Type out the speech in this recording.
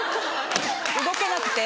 動けなくて？